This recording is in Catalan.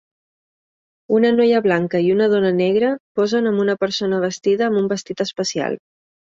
Una noia blanca i una dona negra posen amb una persona vestida amb un vestit espacial.